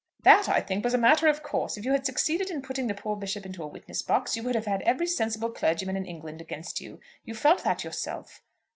"That, I think, was a matter of course. If you had succeeded in putting the poor Bishop into a witness box you would have had every sensible clergyman in England against you. You felt that yourself."